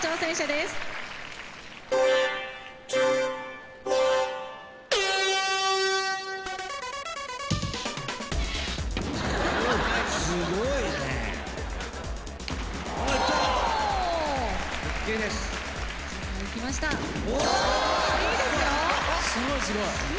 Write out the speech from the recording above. すごいすごい。